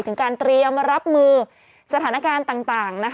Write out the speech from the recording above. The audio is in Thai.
ถึงการเตรียมรับมือสถานการณ์ต่าง